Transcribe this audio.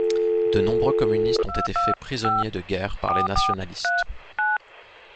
De nombreux communistes ont été faits prisonniers de guerre par les nationalistes.